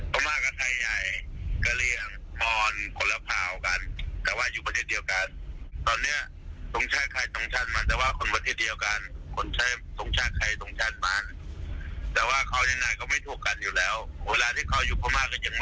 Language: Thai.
และอย่างตอนเขาอยู่บ้านเขาอย่างนี้เขาก็เคยตีกันแบบนี้ปกติอยู่แล้วใช่ไหม